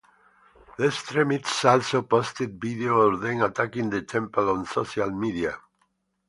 The extremists also posted video of them attacking the temple on social media.